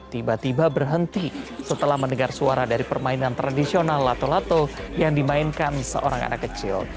tiba tiba berhenti setelah mendengar suara dari permainan tradisional lato lato yang dimainkan seorang anak kecil